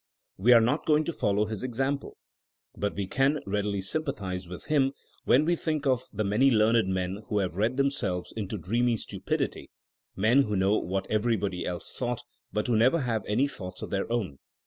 We are not going to follow his example. But we can readily sympathize with him when we think of the many learned men who have read themselves into dreamy stupidity ; men who know what everybody else thought, but who never have any thoughts of their own.